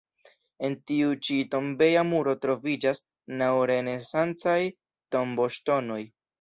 En tiu ĉi tombeja muro troviĝas naŭ renesancaj tomboŝtonoj.